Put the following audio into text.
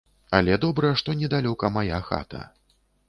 Але добра, што недалёка мая хата.